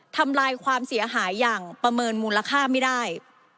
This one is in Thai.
ทำลายความเสียหายอย่างประเมินมูลค่าไม่ได้